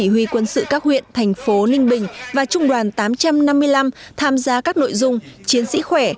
bộ chỉ huy quân sự các huyện thành phố đinh bình và trung đoàn tám trăm năm mươi năm tham gia các nội dung chiến sĩ khỏe